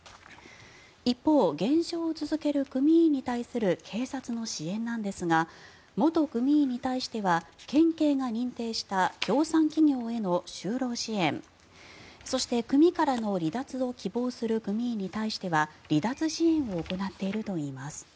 一方、減少を続ける組員に対する警察の支援なんですが元組員に対しては県警が認定した協賛企業への就労支援そして、組からの離脱を希望する組員に対しては離脱支援を行っているといいます。